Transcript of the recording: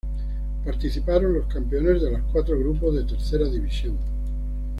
Participaron los campeones de los cuatro grupos de Tercera División.